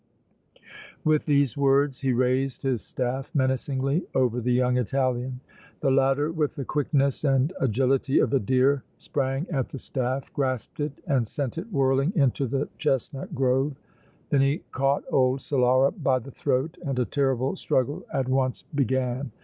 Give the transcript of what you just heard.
With these words he raised his staff menacingly over the young Italian. The latter with the quickness and agility of a deer sprang at the staff, grasped it and sent it whirling into the chestnut grove. Then he caught old Solara by the throat and a terrible struggle at once began.